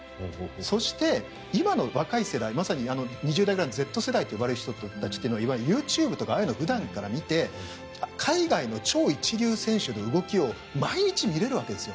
そして、今の若い世代まさに２０代くらいのＺ世代といわれる人たちはＹｏｕＴｕｂｅとかああいうのを普段から見て海外の超一流選手の動きを毎日見れるわけです。